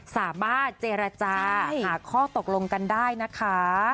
สามารถเจรจาหาข้อตกลงกันได้นะคะ